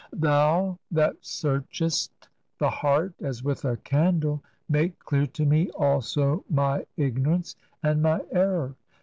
"Thou that searchest the heart as with a candle, make clear to me also my ignorance and my error.